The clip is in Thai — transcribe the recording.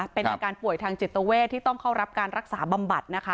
เป็นอาการป่วยทางจิตเวทที่ต้องเข้ารับการรักษาบำบัดนะคะ